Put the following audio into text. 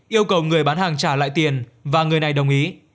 yêu cầu người bán hàng trả lại tiền và người này đồng ý